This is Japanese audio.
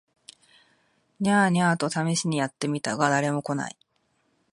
ニャー、ニャーと試みにやって見たが誰も来ない